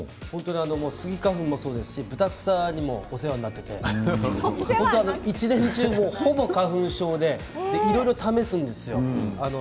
杉もそうですがブタクサにもお世話になっていて一年中ほぼ花粉症でいろいろ試すんですよ。